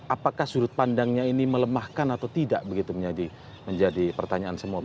apakah sudut pandangnya ini melemahkan atau tidak begitu menjadi pertanyaan semua